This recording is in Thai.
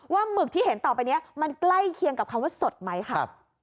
หมึกที่เห็นต่อไปนี้มันใกล้เคียงกับคำว่าสดไหมค่ะ